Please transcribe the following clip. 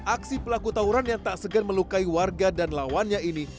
aksi pelaku tawuran yang tak segan melukai warga dan lawannya ini